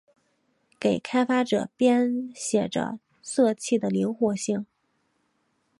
给开发者编写着色器的灵活性。